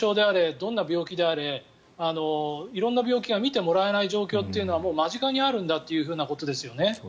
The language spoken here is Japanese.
どんな病気であれ色んな病気が診てもらえない状況というのは間近にあるんだということですよね。